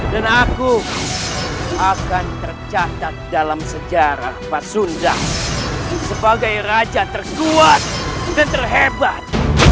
dan aku akan tercatat dalam sejarah pak sunda sebagai raja terkuat dan terhebat